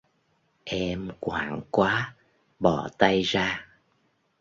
Em hoảng quá bỏ tay ra